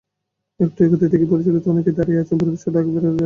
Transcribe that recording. একটু এগোতে দেখি পরিচিত অনেকেই দাঁড়িয়ে আছেন পরিবারসহ ঢাকা ফেরার আয়োজনে ব্যস্ত।